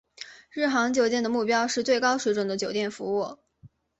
日航酒店的目标是最高水准的酒店服务。